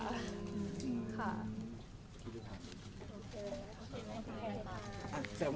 โอเค